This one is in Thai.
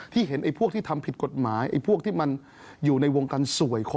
ที่ก็เห็นพวกที่ทำผิดกฎหมายไอ้พวกที่อยู่ในวงการสวย